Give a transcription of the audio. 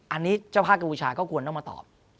อันนี้เจ้าภาพกัมพูชาก็ควรต้องมาตอบ